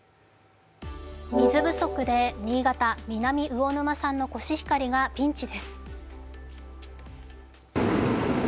水不足で新潟・南魚沼産のコシヒカリがピンチです。